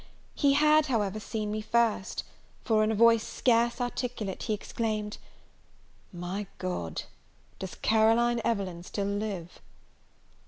He had, however, seen me first; for, in a voice scarce articulate, he exclaimed, "My God! does Caroline Evelyn still live!"